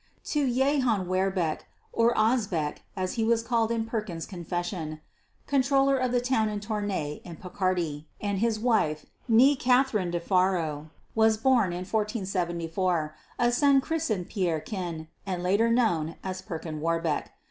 To Jehan Werbecque (or Osbeck as he was called in Perkin's "confession"), Controller of the town of Tournay in Picardy, and his wife, née Katherine de Faro, was born in 1474, a son christened Pierrequin and later known as Perkin Warbeck.